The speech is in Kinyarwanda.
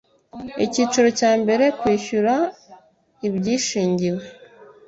Icyiciro cya mbere kwishyura ibyishingiwe